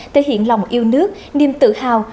thể hiện lòng yêu nước niềm tự hào